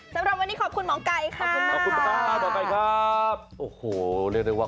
สำหรับวันนี้ขอบคุณหมอไก่ค่ะ